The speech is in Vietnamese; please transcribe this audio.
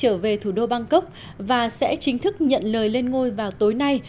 học đức trở về thủ đô bangkok và sẽ chính thức nhận lời lên ngôi vào tối nay